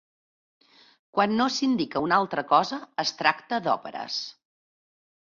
Quan no s'indica una altra cosa, es tracta d'òperes.